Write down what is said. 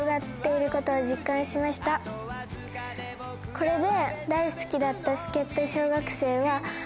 これで。